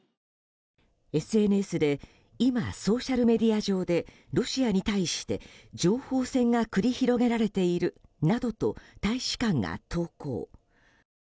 ＳＮＳで今、ソーシャルメディア上でロシアに対して情報戦が繰り広げられているなどと大使館が投稿。